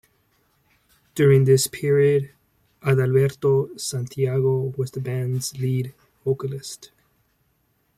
During this period, Adalberto Santiago was the band's lead vocalist.